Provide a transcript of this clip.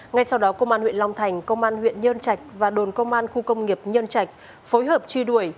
ngay sau đó công an huyện long thành công an huyện nhơn trạch và đồn công an khu công nghiệp nhân trạch phối hợp truy đuổi